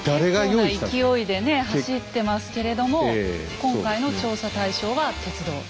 結構な勢いでね走ってますけれども今回の調査対象は「鉄道」。